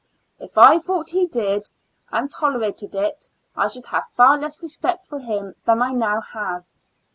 If I thought he did, and tolerated it, I should have far less respect for him than I now have.